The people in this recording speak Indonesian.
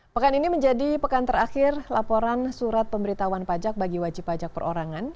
pekan ini menjadi pekan terakhir laporan surat pemberitahuan pajak bagi wajib pajak perorangan